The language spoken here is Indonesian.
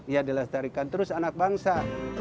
ya lelastarikan terus anak bangsa